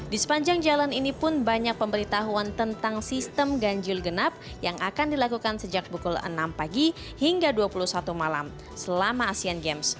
di sepanjang jalan ini pun banyak pemberitahuan tentang sistem ganjil genap yang akan dilakukan sejak pukul enam pagi hingga dua puluh satu malam selama asian games